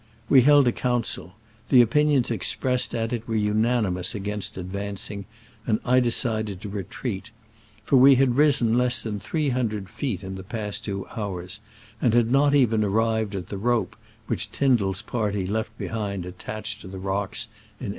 We held a council : the opinions expressed at it were unanimous against advancing, and I decided to re treat ; for we had risen less than three hundred feet in the past two hours, and had not even arrived at the rope which Tyndairs party left behind attached to the rocks, in 1862.